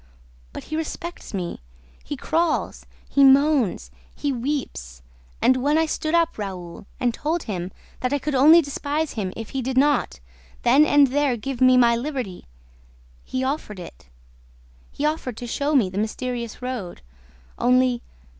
... But he respects me: he crawls, he moans, he weeps! ... And, when I stood up, Raoul, and told him that I could only despise him if he did not, then and there, give me my liberty ... he offered it ... he offered to show me the mysterious road ... Only